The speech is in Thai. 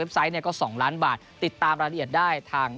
เว็บไซต์เนี้ยก็สองล้านบาทติดตามรายละเอียดได้ทาง